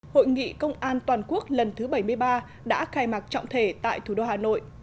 hội nghị công an toàn quốc lần thứ bảy mươi ba đã khai mạc trọng thể tại thủ đô hà nội